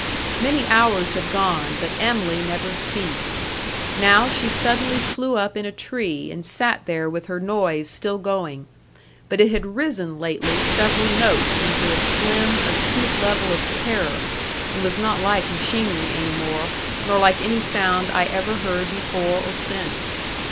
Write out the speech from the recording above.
Many hours had gone, but Em'ly never ceased. Now she suddenly flew up in a tree and sat there with her noise still going; but it had risen lately several notes into a slim, acute level of terror, and was not like machinery any more, nor like any sound I ever heard before or since.